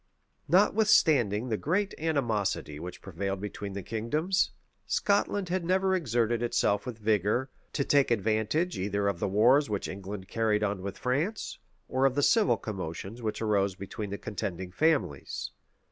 Notwithstanding the great animosity which prevailed between the kingdoms, Scotland had never exerted itself with vigor, to take advantage either of the wars which England carried on with France, or of the civil commotions which arose between the contending families.